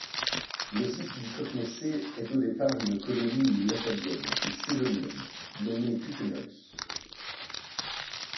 Le site de Koknese est au départ une colonie latalienne et sélonienne nommée Kukenois.